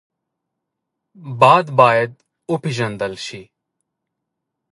باد باید وپېژندل شي